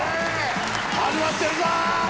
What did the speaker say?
始まってるぞ！